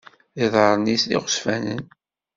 Iḍaṛṛen-is d iɣezzfanen.